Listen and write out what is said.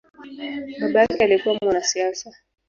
Baba yake alikua mwanasiasa.